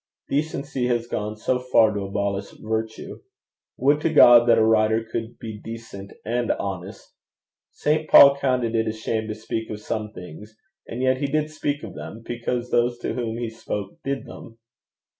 Decency has gone so far to abolish virtue. Would to God that a writer could be decent and honest! St. Paul counted it a shame to speak of some things, and yet he did speak of them because those to whom he spoke did them.